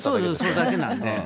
それだけなんで。